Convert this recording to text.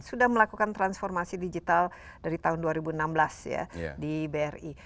sudah melakukan transformasi digital dari tahun dua ribu enam belas ya di bri